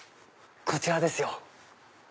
こちらですよ。